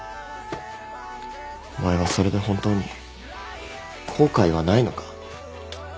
お前はそれで本当に後悔はないのか？